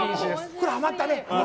これ、はまったね。